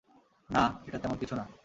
না, এটা তেমন কিছুনা।